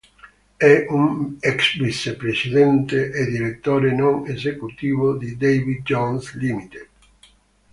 È un ex vicepresidente e direttore non esecutivo di David Jones Limited.